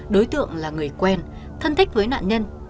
đối tượng là người quen thân thích với nạn nhân